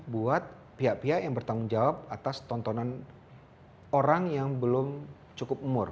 buat pihak pihak yang bertanggung jawab atas tontonan orang yang belum cukup umur